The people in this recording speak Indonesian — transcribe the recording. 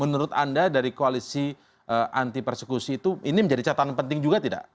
menurut anda dari koalisi anti persekusi itu ini menjadi catatan penting juga tidak